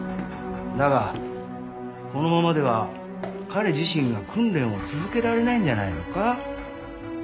だがこのままでは彼自身が訓練を続けられないんじゃないのか？